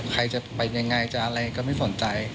ใครจะเป็นยังไงจะอะไรก็ไม่สนใจ